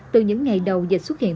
từ những ngày đầu dịch xuất hiện